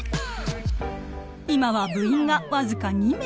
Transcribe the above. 今は部員が僅か２名。